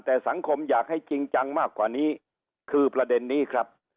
แต่สังคมอยากให้จริงจังมากกว่านี้คือประเด็นนี้ครับ